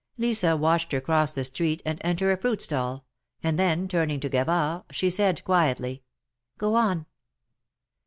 Lisa watched her cross the street, and enter a fruit stall ; and then turning to Gavard, she said, quietly: ^^Go on."